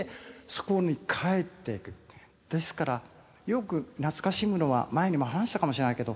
ですからよく懐かしむのは前にも話したかもしれないけど。